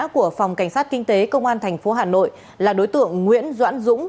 của phòng cảnh sát kinh tế công an tp hà nội là đối tượng nguyễn doãn dũng